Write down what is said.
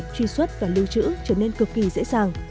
truy xuất và lưu trữ trở nên cực kỳ dễ dàng